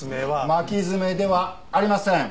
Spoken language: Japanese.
巻き爪ではありません。